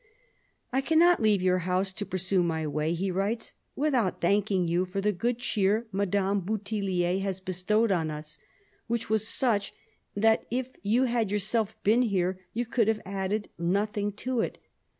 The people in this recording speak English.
" I cannot leave your house to pursue my way," he writes, " without thanking you for the good cheer Madame BouthiUier has bestowed on us ; which was such, that if you had yourself been here you could have added nothing to it.